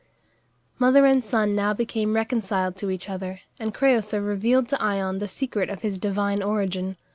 Mother and son now became reconciled to each other, and Crëusa revealed to Ion the secret of his divine origin.